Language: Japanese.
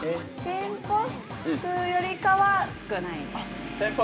店舗数よりかは少ないですね。